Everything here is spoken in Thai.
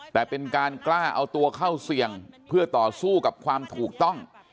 แต่เป็นการกล้าเอาตัวเข้าเสี่ยงเพื่อต่อสู้กับความถูกต้อง